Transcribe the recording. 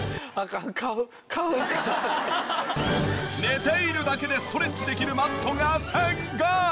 寝ているだけでストレッチできるマットがすごい！